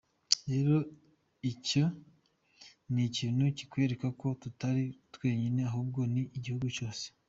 Rero icyo ni ikintu kitwereka ko tutari twenyine ahubwo ni igihugu cyose.